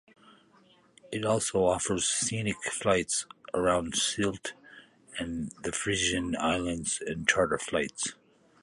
It also offers scenic flights around Sylt and the frisian Islands and Charter Flights.